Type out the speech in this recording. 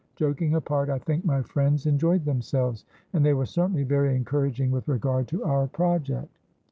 Joking apart, I think my friends enjoyed themselves, and they were certainly very encouraging with regard to our project."